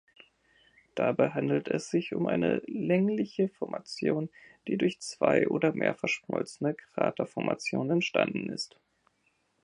Dabei handelt es sich um eine längliche Formation, die durch zwei oder mehr verschmolzene Kraterformationen entstanden ist.